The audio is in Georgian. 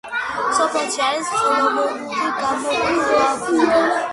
სოფელში არის ხელოვნური გამოქვაბული.